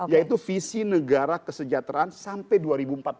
yaitu visi negara kesejahteraan sampai dua ribu empat puluh lima